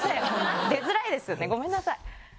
出づらいですよねごめんなさい。